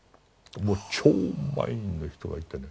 もう超満員の人がいてね。